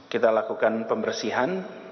kita lakukan pembersihan